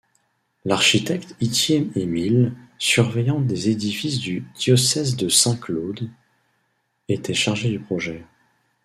L'architecte Hytier Emile, surveillant des édifices du diocèse de Saint-Claude, était chargé du projet.